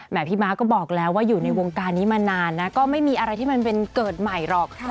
พี่ม้าก็บอกแล้วว่าอยู่ในวงการนี้มานานนะก็ไม่มีอะไรที่มันเป็นเกิดใหม่หรอก